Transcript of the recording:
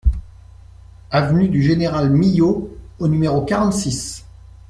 Avenue du Général Milhaud au numéro quarante-six